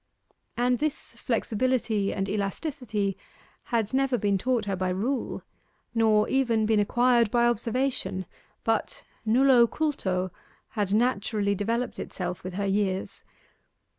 And this flexibility and elasticity had never been taught her by rule, nor even been acquired by observation, but, nullo cultu, had naturally developed itself with her years.